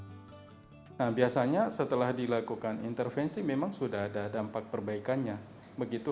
hai nah biasanya setelah dilakukan intervensi memang sudah ada dampak perbaikannya begitu